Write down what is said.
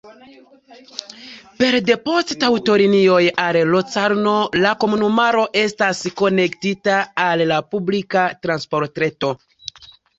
Pere de poŝtaŭtolinioj al Locarno la komunumaro estas konektita al la publika transportreto.